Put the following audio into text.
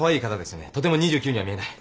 とても２９には見えない。